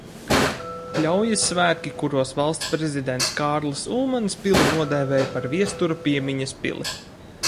Pļaujas svētki, kuros Valsts prezidents Kārlis Ulmanis pili nodēvēja par Viestura piemiņas pili.